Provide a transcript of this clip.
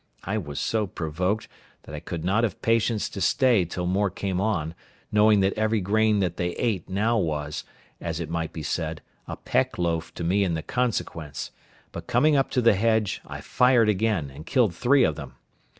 I was so provoked, that I could not have patience to stay till more came on, knowing that every grain that they ate now was, as it might be said, a peck loaf to me in the consequence; but coming up to the hedge, I fired again, and killed three of them.